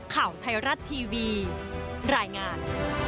ข่าวไทยรัฐทีวีรายงาน